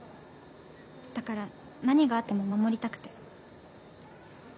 だから何があっても守りたくて。